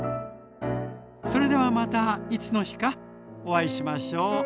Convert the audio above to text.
それではまたいつの日かお会いしましょう。